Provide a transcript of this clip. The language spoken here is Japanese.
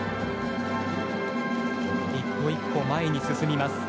一歩一歩前に進みます。